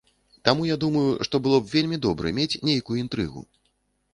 Таму я думаю, што было б вельмі добра мець нейкую інтрыгу.